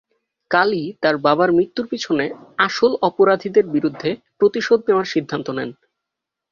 কালি তার বাবার মৃত্যুর পিছনে আসল অপরাধীদের বিরুদ্ধে প্রতিশোধ নেওয়ার সিদ্ধান্ত নেন।